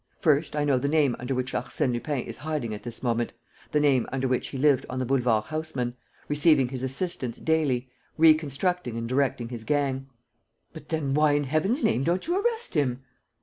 First, I know the name under which Arsène Lupin is hiding at this moment, the name under which he lived on the Boulevard Haussmann, receiving his assistants daily, reconstructing and directing his gang." "But then why, in heaven's name, don't you arrest him?"